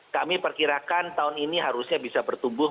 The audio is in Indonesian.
kami perkirakan tahun ini harusnya bisa bertumbuh